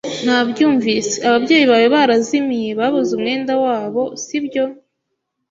Nabyumvise. Ababyeyi bawe barazimiye, babuze umwenda wabo sibyo?